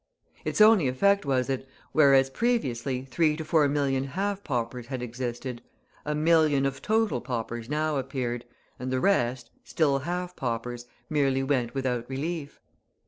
Its only effect was that whereas previously three to four million half paupers had existed, a million of total paupers now appeared, and the rest, still half paupers, merely went without relief.